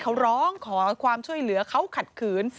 เขาร้องขอความช่วยเหลือเขาขัดขืน